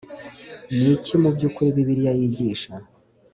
Ni iki mu by ukuri Bibiliya yigisha